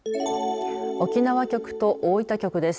沖縄局と大分局です。